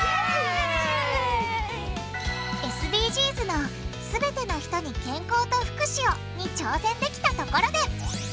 ＳＤＧｓの「すべての人に健康と福祉を」に挑戦できたところで！